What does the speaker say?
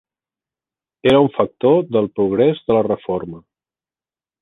Era un factor del progrés de la Reforma.